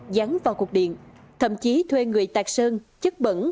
dán vào cột điện thậm chí thuê người tạc sơn chất bẩn